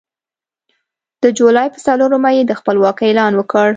د جولای په څلورمه یې د خپلواکۍ اعلان وکړ.